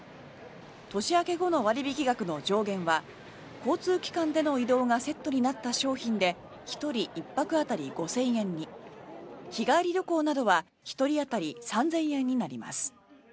年明け後の割引額の上限は交通機関での移動がセットになった商品で１人１泊辺り５０００円に日帰り旅行などは１人当たり３０００円になります。